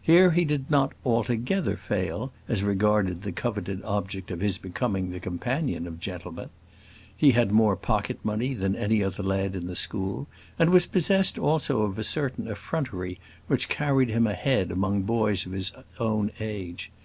Here he did not altogether fail as regarded the coveted object of his becoming the companion of gentlemen. He had more pocket money than any other lad in the school, and was possessed also of a certain effrontery which carried him ahead among boys of his own age.